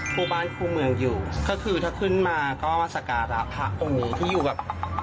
ครูบ้านครูเมืองอยู่คือถ้าขึ้นมาก็สการาภะองค์ที่อยู่แบบ